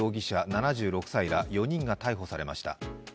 ７６歳ら４人が逮捕されました。